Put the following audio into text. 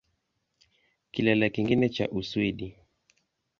Kilele kingine cha Uswidi